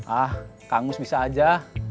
ah kang mus bisa aja